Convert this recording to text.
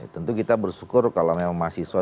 tentu kita bersyukur kalau memang mahasiswa